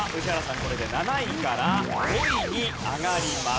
これで７位から５位に上がります。